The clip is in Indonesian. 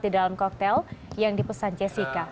di dalam koktel yang dipesan jessica